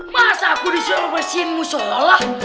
masa aku disuruh bersihinmu sololah